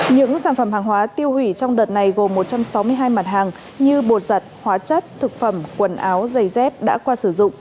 những sản phẩm hàng hóa tiêu hủy trong đợt này gồm một trăm sáu mươi hai mặt hàng như bột giặt hóa chất thực phẩm quần áo giày dép đã qua sử dụng